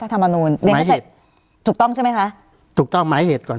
การแสดงความคิดเห็น